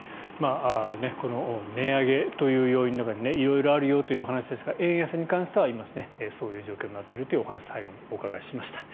この値上げという要因の中に色々あるよというお話ですが円安に関しては今そういう状況になっているというお話を最後にお伺いしました。